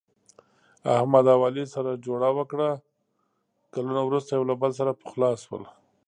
احمد او علي سره جوړه وکړه، کلونه ورسته یو له بل سره پخلا شول.